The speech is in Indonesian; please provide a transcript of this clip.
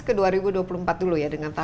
di geografinya jauh dari pusat beban